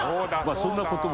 そんなことも！